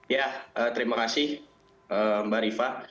ya terima kasih mbak rifa